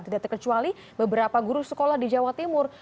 tidak terkecuali beberapa guru sekolah di jawa timur